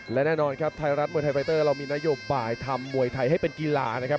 และแน่นอนครับไทยรัฐมวยไทยไฟเตอร์เรามีนโยบายทำมวยไทยให้เป็นกีฬานะครับ